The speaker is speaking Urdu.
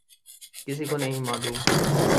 کسی کو نہیں معلوم۔